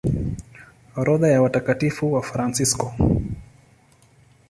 Orodha ya Watakatifu Wafransisko